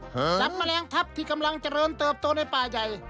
หลังแมลงทัพที่กำลังเจริญเติบโตในป่าใหญ่